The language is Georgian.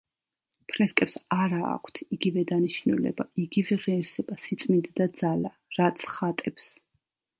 ფრესკებს არა აქვთ იგივე დანიშნულება, იგივე ღირსება, სიწმიდე და ძალა, რაც ხატებს.